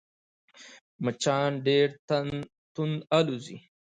مچان ډېر تند الوزي